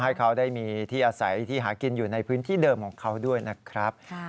ให้เขาได้มีที่อาศัยที่หากินอยู่ในพื้นที่เดิมของเขาด้วยนะครับ